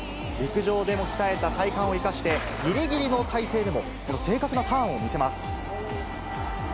陸上でも鍛えた体幹を生かして、ぎりぎりの体勢でも、この正確なターンを見せます。